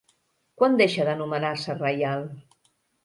Quan deixa d'anomenar-se Reial?